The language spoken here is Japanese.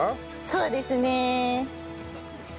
そうですね。